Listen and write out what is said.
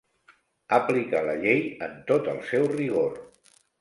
Aplicar la llei en tot el seu rigor.